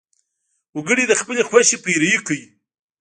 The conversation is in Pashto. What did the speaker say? وګړي د خپلې خوښې پیروي کوي.